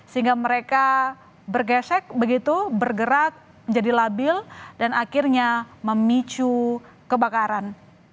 sehingga mereka bergesek begitu bergerak menjadi labil dan akhirnya memicu kebakaran